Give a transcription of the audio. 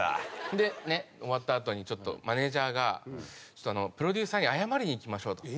でね終わったあとにちょっとマネジャーが「プロデューサーに謝りに行きましょう」と。